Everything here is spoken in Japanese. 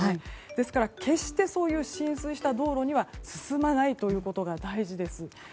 ですから、決してそういう浸水した道路には進まないということが大事です。